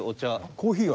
コーヒーは。